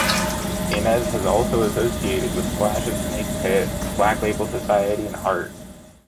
Inez has also associated with Slash's Snakepit, Black Label Society, and Heart.